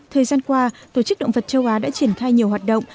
thời gian qua tổ chức động vật châu á đã triển khai nhiều hoạt động